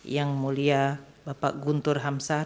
yang mulia bapak guntur hamzah